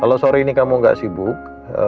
kalau sore ini kamu gak sibuk